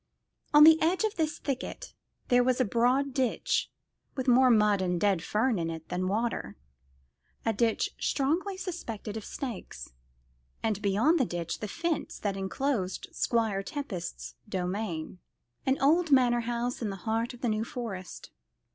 On the edge of this thicket there was a broad ditch, with more mud and dead fern in it than water, a ditch strongly suspected of snakes, and beyond the ditch the fence that enclosed Squire Tempest's domain an old manor house in the heart of the New Forest.